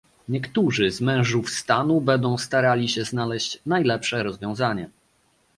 Niektórzy z mężów stanu będą starali się znaleźć najlepsze rozwiązanie